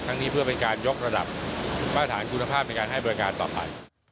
นี้เพื่อเป็นการยกระดับมาตรฐานคุณภาพในการให้บริการต่อไป